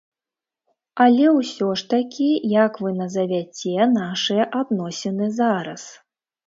Але ўсё ж такі, як вы назавяце нашыя адносіны зараз?